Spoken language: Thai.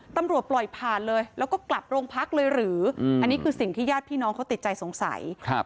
ปล่อยผ่านเลยแล้วก็กลับโรงพักเลยหรืออันนี้คือสิ่งที่ญาติพี่น้องเขาติดใจสงสัย